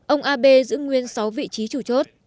ông abe giữ nguyên sáu vị trí chủ chốt